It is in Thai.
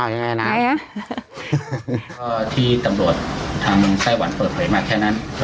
อาหารที่ตำรวจทำไส้หวันเปิดเผยมาแค่นั้น